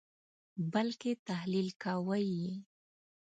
بلکې تحلیل کوئ یې.